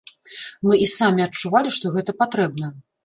Мы і самі адчувалі, што гэта патрэбна.